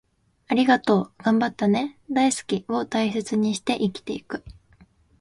『ありがとう』、『頑張ったね』、『大好き』を大切にして生きていく